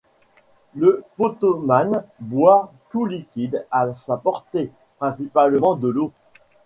Le potomane boit tout liquide à sa portée, principalement de l'eau.